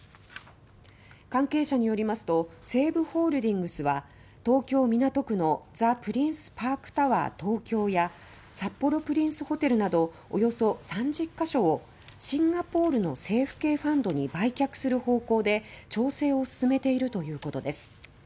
関係者によりますと西武ホールディングスは東京・港区のザ・プリンスパークタワー東京や札幌プリンスホテルなどおよそ３０か所をシンガポールの政府系ファンドに売却する方向で調整を進めているということです。